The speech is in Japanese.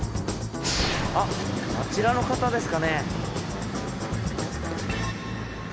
あっあちらの方ですかね。